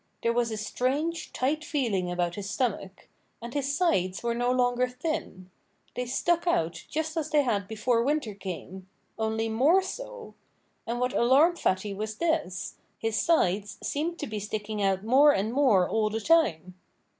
There was a strange, tight feeling about his stomach. And his sides were no longer thin. They stuck out just as they had before winter came only more so. And what alarmed Fatty was this: his sides seemed to be sticking out more and more all the time.